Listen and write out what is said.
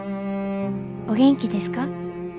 お元気ですか。